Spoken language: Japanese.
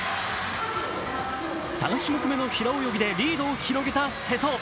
３種目めの平泳ぎでリードを広げた瀬戸。